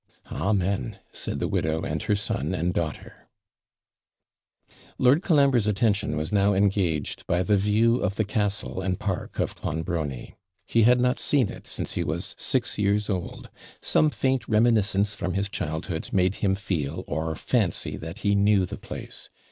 'Amen!' said the widow, and her son and daughter. Lord Colambre's attention was now engaged by the view of the castle and park of Clonbrony. He had not seen it since he was six years old. Some faint reminiscence from his childhood made him feel or fancy that he knew the place.